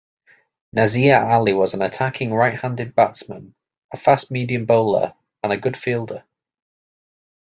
Nazir Ali was an attacking right-handed batsman, a fast-medium bowler and a good fielder.